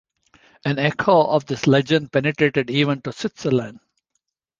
An echo of this legend penetrated even to Switzerland.